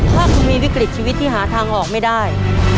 ถ้าคุณมีวิกฤตชีวิตที่หาทางออกไม่ได้